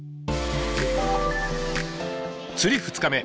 釣り２日目。